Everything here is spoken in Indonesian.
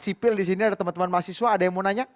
selamat malam semua